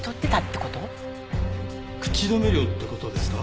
口止め料って事ですか？